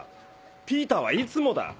ピーターはいつもだ。